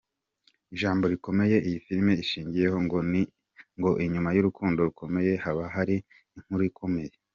Ijambo rikomeye iyi filime ishingiyeho ngo: "inyuma y'urukundo rukomeye, haba hari inkuru ikomeye".